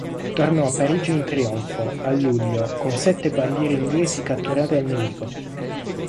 Tornò a Parigi in trionfo, a luglio, con sette bandiere inglesi catturate al nemico.